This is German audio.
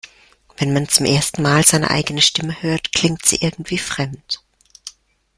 Wenn man zum ersten Mal seine eigene Stimme hört, klingt sie irgendwie fremd.